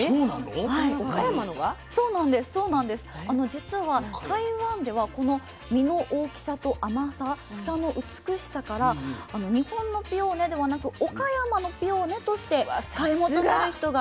じつは台湾ではこの実の大きさと甘さ房の美しさから日本のピオーネではなく岡山のピオーネとして買い求める人がいるほど。